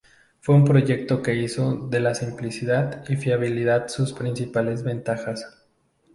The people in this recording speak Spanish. Fue un proyecto que hizo de la simplicidad y fiabilidad sus principales ventajas.